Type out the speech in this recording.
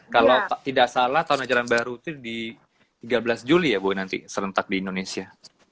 kalau tidak salah tahun ajaran baru itu di tiga belas juli ya bu nanti serentak di indonesia